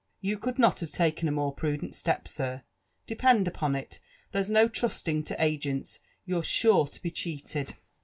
''You could not have taken a more prudent step, sir. Depend upon it, there's no trusling to agents — you're sure to be cheated."